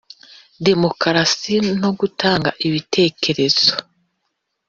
Demokarasi no gutanga ibitekerezo